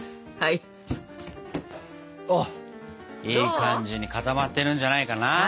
いい感じに固まってるんじゃないかな。